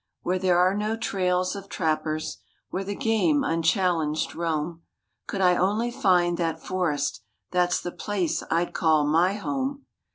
Where there are no trails of trappers, Where the game unchallenged roam— Could I only find that forest, That's the place I'd call my home.